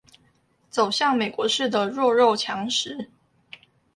走向美國式的弱肉強食